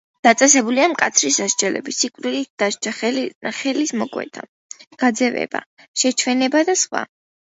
დაწესებულია მკაცრი სასჯელები: სიკვდილით დასჯა, ხელის მოკვეთა, გაძევება, შეჩვენება და სხვა.